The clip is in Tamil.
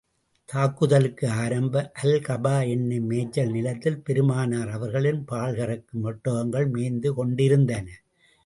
தாக்குதலுக்கு ஆரம்பம், அல்கபா என்னும் மேய்ச்சல் நிலத்தில் பெருமானார் அவர்களின் பால் கறக்கும் ஒட்டகங்கள் மேய்ந்து கொண்டிருந்தன.